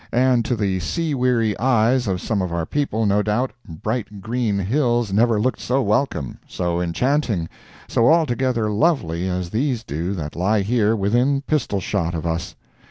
And to the sea weary eyes of some of our people, no doubt, bright green hills never looked so welcome, so enchanting, so altogether lovely, as these do that lie here within pistol shot of us.